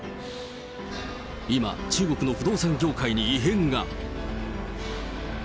今、中国の不動産業界に異変が。